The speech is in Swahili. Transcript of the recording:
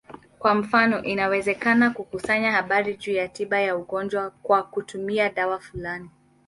Kwa mfano, inawezekana kukusanya habari juu ya tiba ya ugonjwa kwa kutumia dawa fulani.